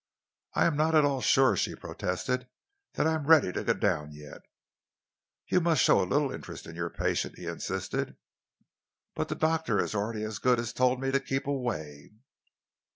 "I am not at all sure," she protested, "that I am ready to go down yet." "You must show a little interest in your patient," he insisted. "But the doctor has already as good as told me to keep away."